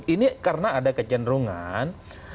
ini karena ada kecenderungan